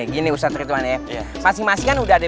gini ustadz ridwan ya pasang masang kan udah ada